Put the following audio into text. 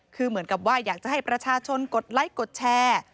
คือเหมือนกับว่าอยากจะให้ประชาชนกดไลค์กดแชร์